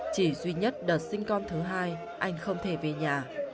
chỉ duy nhất đợt sinh con thứ hai anh không thể về nhà